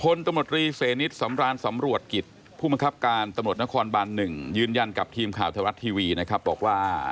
ผลตมตรีเซนิสสำรานสำรวจกิจผู้มันคับการตมตรนครบานหนึ่งยืนยันกับทีมข่าวเทวัตรทีวีนะครับบอกว่า